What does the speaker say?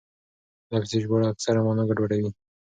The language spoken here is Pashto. لفظي ژباړه اکثره مانا ګډوډوي.